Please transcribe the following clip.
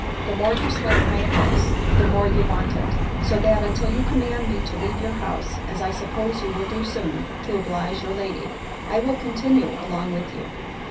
The more you slight my advice, the more you want it; so that, until you command me to leave your house, (as I suppose you will soon do, to oblige your Lady) I will continue along with you."